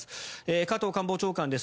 加藤官房長官です。